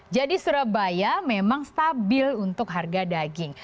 jadi surabaya memang stabil untuk harga daging